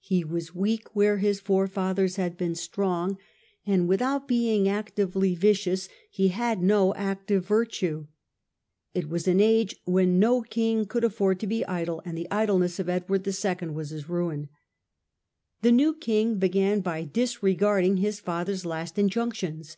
He was weak where his forefathers had been strong, and without being actively vicious he had no active virtue. It was an age when no king could afford to be idle, and the idleness of Edward II. was his ruin. The new king began by disr^arding his father's last injunctions.